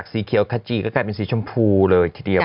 สีเขียวขจีก็กลายเป็นสีชมพูเลยทีเดียว